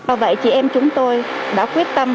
và vậy chị em chúng tôi đã quyết tâm